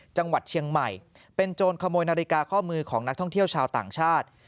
จังหวัดเชียงใหม่เป็นโจรขโมยนาฬิกาข้อมือของนักท่องเที่ยวชาวต่างชาติ